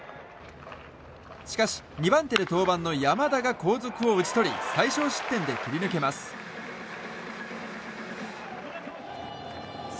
しかし、２番手で登板の山田が後続を打ち取り最少失点で切り抜けます。